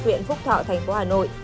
huyện phúc thọ thành phố hà nội